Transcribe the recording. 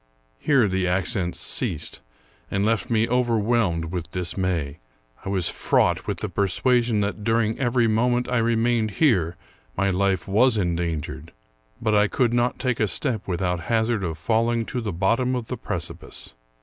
Here the accents ceased, and left me overwhelmed with dismay, I was fraught with the persuasion that during every moment I remained here my life was endangered ; but I could not take a step without hazard of falling to the bot tom of the precipice.